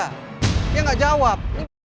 dia gak jawab